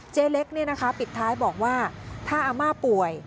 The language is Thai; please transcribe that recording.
เจ๊เล็กปิดท้ายบอกว่าถ้าอาม่าป่วย